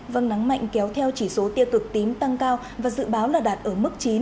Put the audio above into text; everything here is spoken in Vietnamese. vâng nắng mạnh kéo theo chỉ số tiêu cực tím tăng cao và dự báo là đạt ở mức chín